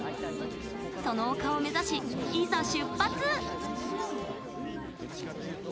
その丘を目指しいざ出発！